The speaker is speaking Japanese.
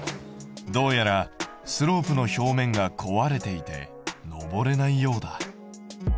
どうやらスロープの表面が壊れていて上れないようだ。